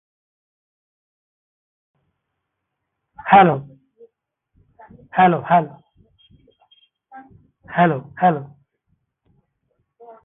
His remains were returned to Pennsylvania.